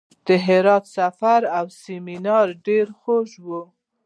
د هرات سفر او سیمینار ډېر خواږه وو.